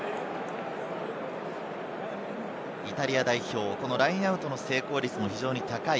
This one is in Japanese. イタリア代表、ラインアウトの成功率も非常に高い。